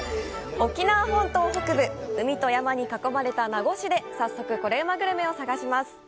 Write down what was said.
沖縄本島北部海と山に囲まれた名護市で早速コレうまグルメを探します。